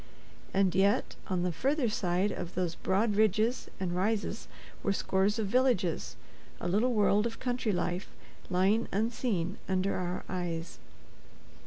And yet, on the further side of those broad ridges and rises were scores of villages—a little world of country life, lying unseen under our eyes.